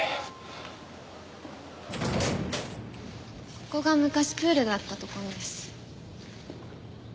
ここが昔プールがあった所です。